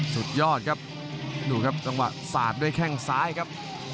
สุดยอดครับดูครับจังหวะสาดด้วยแข้งซ้ายครับ